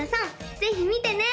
ぜひ見てね！